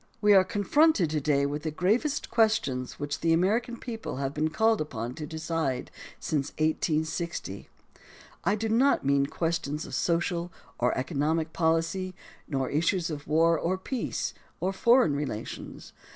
We are confronted to day with the gravest questions which the American people have been called upon to decide since 1860. I do not mean questions of social or economic policy, nor issues of war, or peace, or foreign relations.